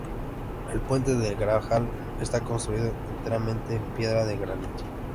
El Puente del Grajal está construido enteramente en piedra de granito.